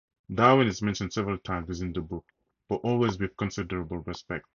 Darwin is mentioned several times within the book, but always with considerable respect.